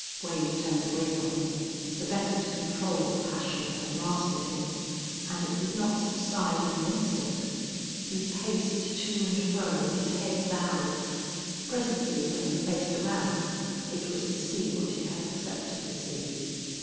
Wade turned away from them, the better to control the passion that had mastered him. And it did not subside in an instant. He paced to and fro, his head bowed. Presently, when he faced around, it was to see what he had expected to see.